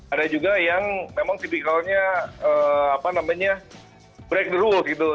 ada juga yang memang tipikalnya break the rule gitu